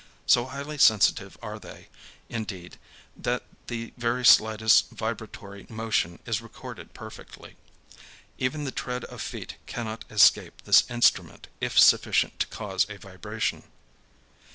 So highly sensitive are they, indeed, that the very slightest vibratory motion is recorded perfectly. Even the tread of feet cannot escape this instrument if sufficient to cause a vibration.